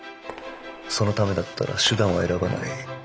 そのためだったら手段は選ばない。